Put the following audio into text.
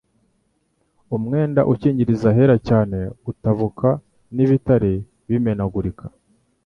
umwenda ukingiriza ahera cyane utabuka n'ibitare bimenagurika,